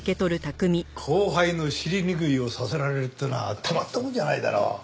後輩の尻拭いをさせられるっていうのはたまったもんじゃないだろう。